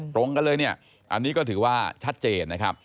ตรงกันเลยเนี่ยอันนี้ก็ถือว่าชัดเจนนะครับ